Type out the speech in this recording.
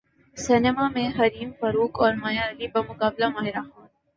سینماں میں حریم فاروق اور مایا علی بمقابلہ ماہرہ خان